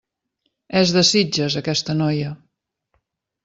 És de Sitges, aquesta noia.